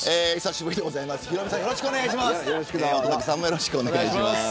ヒロミさんも乙武さんもよろしくお願いします。